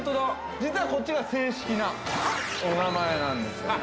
実はこっちが正式なお名前なんです。